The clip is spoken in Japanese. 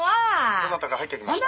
「どなたか入ってきました？」